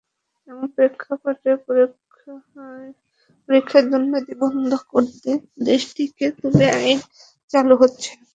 এমন প্রেক্ষাপটে পরীক্ষায় দুর্নীতি বন্ধ করতে দেশটিতে নতুন আইন চালু হচ্ছে।